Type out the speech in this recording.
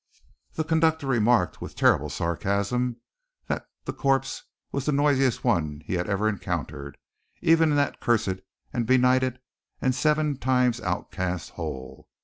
The conductor remarked, with terrible sarcasm, that the corpse was the noisiest one he ever had encountered, even in that cursed and benighted and seven times outcast hole.